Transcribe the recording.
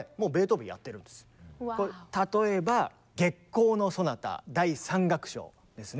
これ例えば「月光」のソナタ第３楽章ですね。